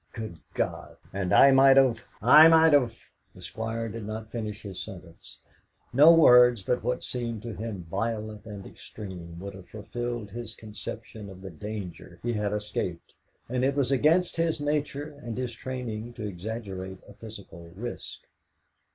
Good God! and I might have I might have " The Squire did not finish his sentence; no words but what seemed to him violent and extreme would have fulfilled his conception of the danger he had escaped, and it was against his nature and his training to exaggerate a physical risk.